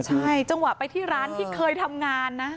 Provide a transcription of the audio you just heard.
ใช่จังหวะไปที่ร้านที่เคยทำงานนะ